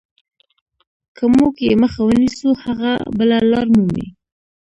که موږ یې مخه ونیسو هغه بله لار مومي.